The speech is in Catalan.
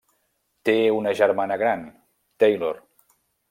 Té una germana gran, Taylor.